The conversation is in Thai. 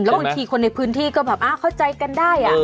บางทีคนในพื้นที่ก็แบบเข้าใจกันได้